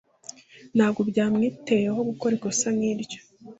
Ntabwo byamwitayeho gukora ikosa nkiryo.